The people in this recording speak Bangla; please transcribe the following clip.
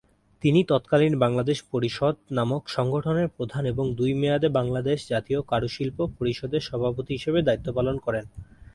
তিনি তৎকালীন বাংলাদেশ পরিষদ নামক সংগঠনের প্রধান এবং দুই মেয়াদে বাংলাদেশ জাতীয় কারুশিল্প পরিষদের সভাপতি হিসেবে দায়িত্ব পালন করেন।